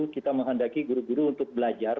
kita menghendaki guru guru untuk belajar